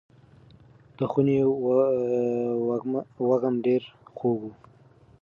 د خونې وږم ډېر خوږ و.